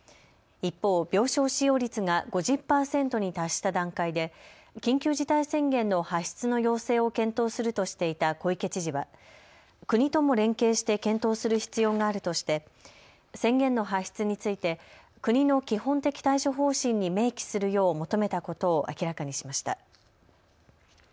一方、病床使用率が５０％に達した段階で緊急事態宣言の発出の要請を検討するとしていた小池知事は国とも連携して検討する必要があるとして宣言の発出について国の基本的対処方針に明記するよう求めたことを明らかにしました。